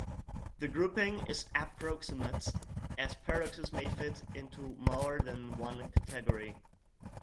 The grouping is approximate, as paradoxes may fit into more than one category.